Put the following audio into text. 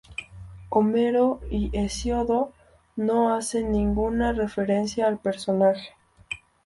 Homero y Hesíodo no hacen ninguna referencia al personaje.